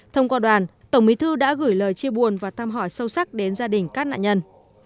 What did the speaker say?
thông qua đoàn tổng bí thư đã gửi lời chia buồn và thăm hỏi sâu sắc đến gia đình các nạn nhân